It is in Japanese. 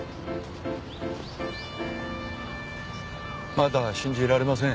まだ信じられません。